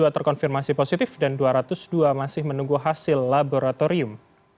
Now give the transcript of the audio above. dua puluh terkonfirmasi positif dan dua ratus dua masih menunggu hasil laboratorium